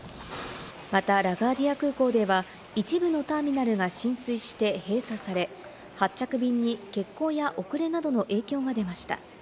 またラガーディア空港では一部のターミナルが浸水して閉鎖され、発着便に欠航や遅れなどの影響が出ました。